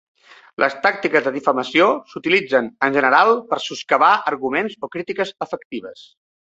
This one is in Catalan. Les tàctiques de difamació s'utilitzen en general per soscavar arguments o crítiques efectives.